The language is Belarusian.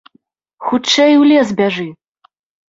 Хутчэй у лес бяжы!